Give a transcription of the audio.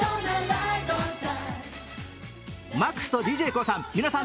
ＭＡＸとＤＪＫＯＯさん